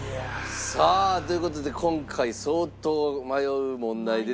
さあという事で今回相当迷う問題出て参りました。